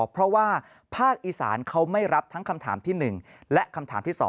เพราะว่าภาคอีสานเขาไม่รับทั้งคำถามที่๑และคำถามที่๒